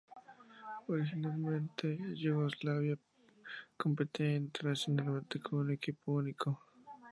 Originalmente, Yugoslavia competía internacionalmente con un equipo único.